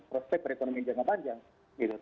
prospek perekonomian jangka panjang